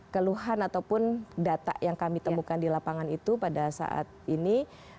keluhan ataupun data yang kami temukan di lapangan itu pada saat ini